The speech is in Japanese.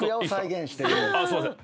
すいません。